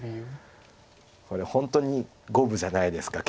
これ本当に五分じゃないですか